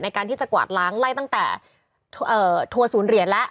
ในการที่จะกวาดล้างไล่ตั้งแต่ทัวร์ศูนย์เหรียญแล้ว